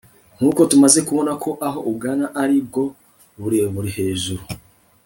nkuko tumaze kubona ko aho ugana aribwo burebure hejuru ..